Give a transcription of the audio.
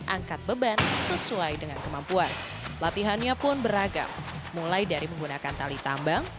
angkat beban sesuai dengan kemampuan latihannya pun beragam mulai dari menggunakan tali tambang